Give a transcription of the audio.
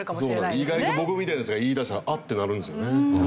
意外と僕みたいなヤツが言い出したら「あっ」ってなるんですよね。